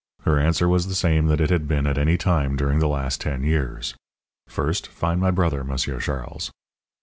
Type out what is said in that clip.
Her answer was the same that it had been any time during the last ten years: "First find my brother, Monsieur Charles."